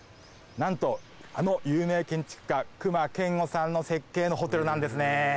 何とあの有名建築家隈研吾さんの設計のホテルなんですね